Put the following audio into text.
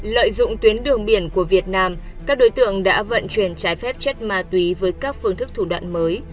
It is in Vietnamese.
lợi dụng tuyến đường biển của việt nam các đối tượng đã vận chuyển trái phép chất ma túy với các phương thức thủ đoạn mới